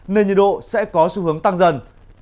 nên nhiệt độ sẽ có xu hướng tăng dần